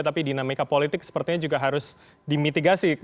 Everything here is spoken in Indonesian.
tapi dinamika politik sepertinya juga harus dimitigasi